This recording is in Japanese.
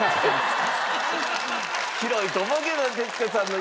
広いと思うけど徹子さんの家。